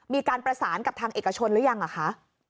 มีการประสานกับทางเอกชนหรือยังอะคะ